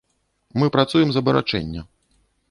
Мы працуем з абарачэння.